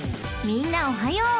［みんなおはよう。